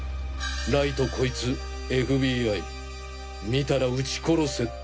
ライとコイツＦＢＩ見たら撃ち殺せって。